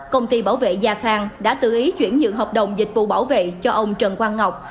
công ty bảo vệ gia khang đã tự ý chuyển dựng hợp đồng dịch vụ bảo vệ cho ông trần quang ngọc